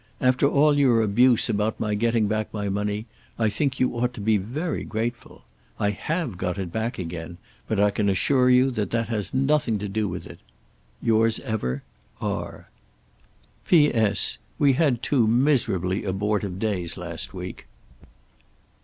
After all your abuse about my getting back my money I think you ought to be very grateful. I have got it back again, but I can assure you that has had nothing to do with it. Yours ever, R. We had two miserably abortive days last week.